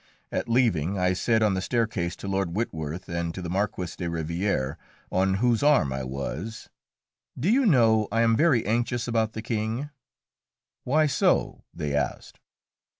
At leaving, I said on the staircase to Lord Witworth and to the Marquis de Rivière, on whose arm I was, "Do you know, I am very anxious about the King?" "Why so?" they asked.